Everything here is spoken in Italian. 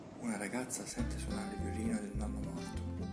Una ragazza sente suonare il violino del nonno morto.